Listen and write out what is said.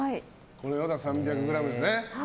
これを３００ｇですね。